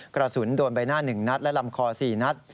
กระสุนโดนใบหน้า๑นัดและลำคอ๔นัด